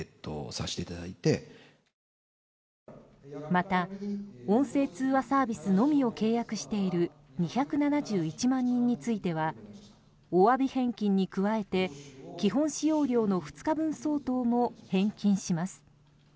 また、音声通話サービスのみを契約している２７１万人についてはお詫び返金に加えて基本使用料の２日分相当も返金します。